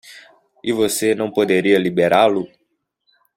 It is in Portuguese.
E você não poderia liberá-lo?